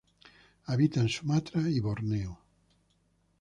Habita en Sumatra y Borneo.